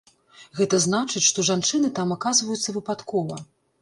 Гэта значыць, што жанчыны там аказваюцца выпадкова.